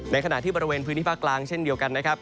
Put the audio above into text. ขณะที่บริเวณพื้นที่ภาคกลางเช่นเดียวกันนะครับ